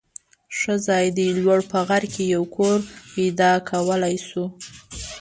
ښه ځای دی. لوړ په غر کې یو کور پیدا کولای شو.